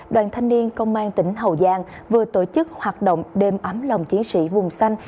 đoàn thanh niên công an tỉnh hậu giang vừa tổ chức hoạt động đêm ấm lòng chiến sĩ vùng xanh